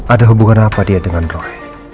ada hubungan apa dia dengan roh